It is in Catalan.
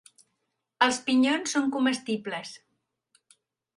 Els pinyons són comestibles.